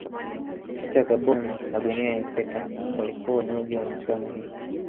nchi ya gabon na guinea ya ikweta walikuwa wenyeji wa michuano hiyo